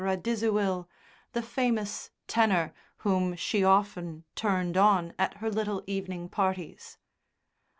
Radiziwill, the famous tenor, whom she often "turned on" at her little evening parties.